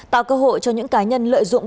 tạo cơ hội cho những cá nhân lợi dụng